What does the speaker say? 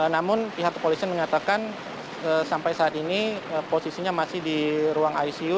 namun pihak kepolisian menyatakan sampai saat ini posisinya masih di ruang icu